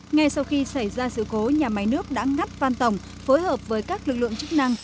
ngay sau khi xảy ra sự cố nhà máy nước đã ngắt phan tổng phối hợp với các lực lượng chức năng